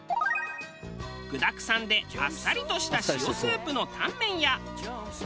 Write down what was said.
具だくさんであっさりとした塩スープのタンメンや。